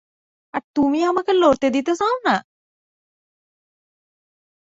আর তুমি আমাকে লড়তে দিতে চাও না?